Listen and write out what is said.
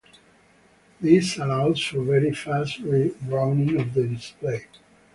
This allows for very fast re-drawing of the display.